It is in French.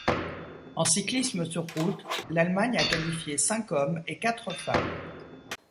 En cyclisme sur route, l'Allemagne a qualifié cinq hommes et quatre femmes.